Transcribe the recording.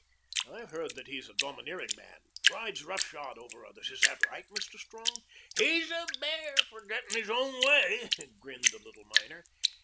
"I've heard that he's a domineering man rides roughshod over others. Is that right, Mr. Strong?" "He's a bear for getting his own way," grinned the little miner.